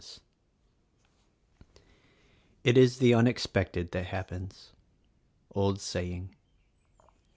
"It is the unexpected that happens." — Old Saying.